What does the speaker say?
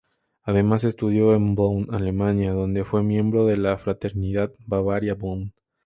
Además estudió en Bonn, Alemania, donde fue miembro de la fraternidad Bavaria Bonn.